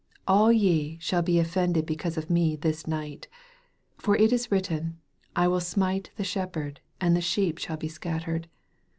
All ye shall be offended because of me this night : for it is written, I will smite the shepherd, and the sheep shall be scattered.